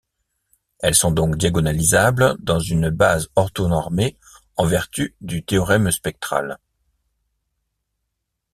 Elles sont donc diagonalisables dans une base orthonormée en vertu du théorème spectral.